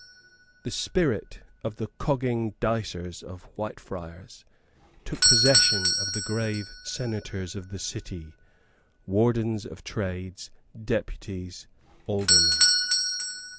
The spirit of the cogging dicers of Whitefriars took possession of the grave Senators of the City, Wardens of Trades, Deputies, Aldermen.